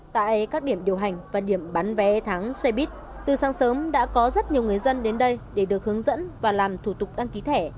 tại các điểm điều hành và điểm bán vé tháng xe buýt từ sáng sớm đã có rất nhiều người dân đến đây để được hướng dẫn và làm thủ tục đăng ký thẻ